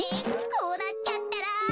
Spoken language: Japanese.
こうなっちゃったら。